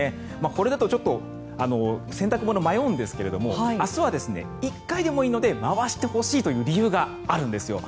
これだとちょっと洗濯物、迷うんですけれども明日は１回でもいいので回してほしいという理由があるんですよ。